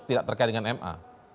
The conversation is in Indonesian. tidak terkait dengan ma